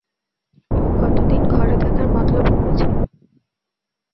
ও কতদিন ঘরে থাকার মতলব করেছে?